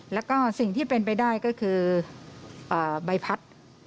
แล้วก็สิ่งที่เป็นไปได้ก็คือใบพัด